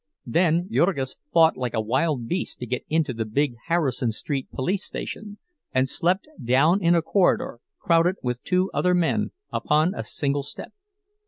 Then Jurgis fought like a wild beast to get into the big Harrison Street police station, and slept down in a corridor, crowded with two other men upon a single step.